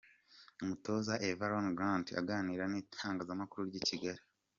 Umutoza Avram Grant aganira n'itangazamakuru ry'i Kigali.